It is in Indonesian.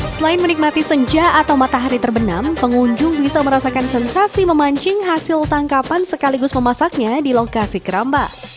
selain menikmati senja atau matahari terbenam pengunjung bisa merasakan sensasi memancing hasil tangkapan sekaligus memasaknya di lokasi keramba